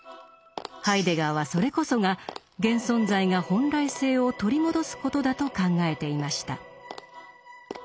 ハイデガーはそれこそが現存在が本来性を取り戻すことだと考えていました。